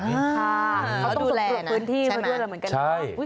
เขาต้องสมบูรณ์พื้นที่เขาด้วยเหรอเหมือนกัน